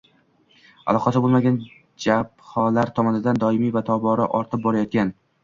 aloqasi bo‘lmagan jabhalar tomonidan doimiy va tobora ortib borayotgan